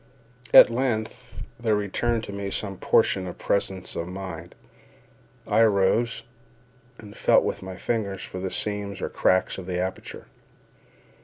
At length there returned to me some portion of presence of mind. I arose, and felt with my fingers for the seams or cracks of the aperture.